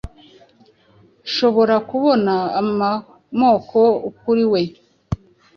nshobora kubona amakoakuri we